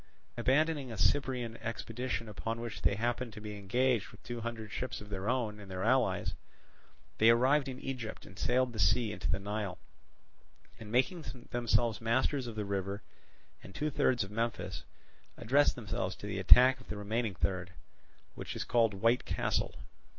Abandoning a Cyprian expedition upon which they happened to be engaged with two hundred ships of their own and their allies, they arrived in Egypt and sailed from the sea into the Nile, and making themselves masters of the river and two thirds of Memphis, addressed themselves to the attack of the remaining third, which is called White Castle.